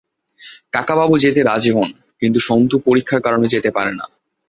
কাকাবাবু যেতে রাজি হন কিন্তু সন্তু পরীক্ষার কারণে যেতে পারেনা।